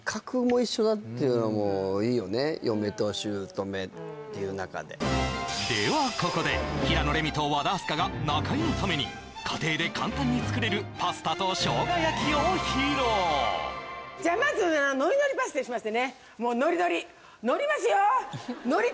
もうっていう中でではここで平野レミと和田明日香が中居のために家庭で簡単に作れるパスタと生姜焼きを披露じゃあまずのりこれを使います